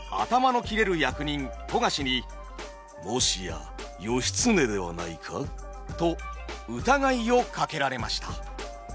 役人富樫に「もしや義経ではないか？」と疑いをかけられました。